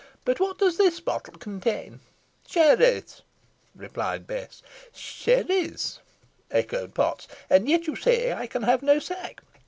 But what does this bottle contain?" "Sherris," replied Bess. "Sherris!" echoed Potts, "and yet you say I can have no sack.